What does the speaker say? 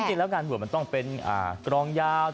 จริงแล้วงานบวชมันต้องเป็นกรองยาว